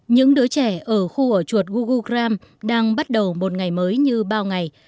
những đứa trẻ ở khu ở chuột gugu gram đang bắt đầu một ngày mới như bao ngày